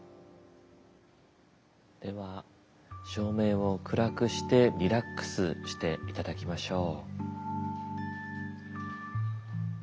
では照明を暗くしてリラックスしていただきましょう。